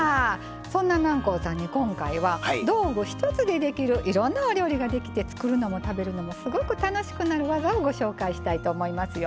そんな南光さんに今回は道具１つでできるいろんなお料理ができて作るのも食べるのもすごく楽しくなる技をご紹介したいと思いますよ。